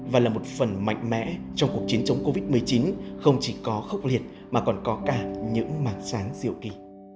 và là một phần mạnh mẽ trong cuộc chiến chống covid một mươi chín không chỉ có khốc liệt mà còn có cả những mảng sáng diệu kỳ